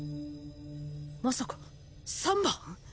まさか三番？